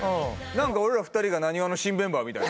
なんか俺ら２人がなにわの新メンバーみたい。